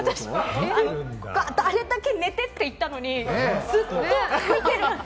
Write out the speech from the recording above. あれだけ寝て！って言ったのに、ずっと見てる。